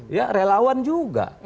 ya relawan juga